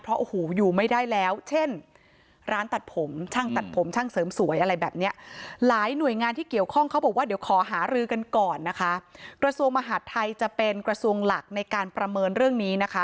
เพราะอยู่ไม่ได้แล้วเช่นร้านตัดผมช่างตัดผมช่างเสริมสวยอะไรแบบนี้